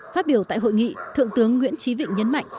phát biểu tại hội nghị thượng tướng nguyễn trí vịnh nhấn mạnh